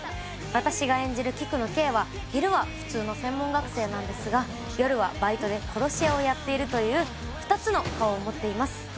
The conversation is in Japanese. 私が演じる菊野ケイは昼は普通の専門学生なんですが夜はバイトで殺し屋をやっているという２つの顔を持っています